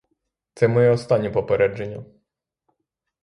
Це моє останнє попередження.